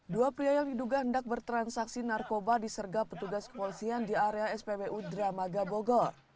dua pria yang diduga hendak bertransaksi narkoba disergap petugas kepolisian di area spbu dramaga bogor